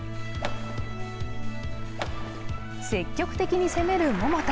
積極的に攻める桃田。